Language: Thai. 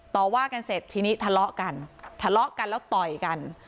ต่อว่ากันเสร็จทีนี้ทะเลาะกันทะเลาะกันแล้วต่อยกัน